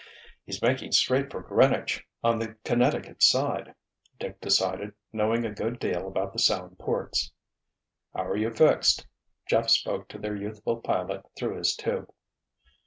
"He's making straight for Greenwich, on the Connecticut side," Dick decided, knowing a good deal about the Sound ports. "How are you fixed?" Jeff spoke to their youthful pilot through his tube.